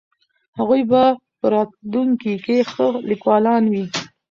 هغوی به په راتلونکي کې ښه لیکوالان وي.